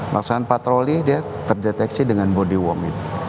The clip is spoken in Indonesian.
laksanaan patroli dia terdeteksi dengan body warm itu